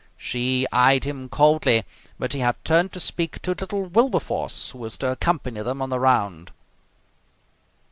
She eyed him coldly, but he had turned to speak to little Wilberforce, who was to accompany them on the round.